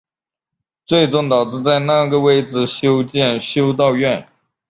最终导致在那个位置修建修道院。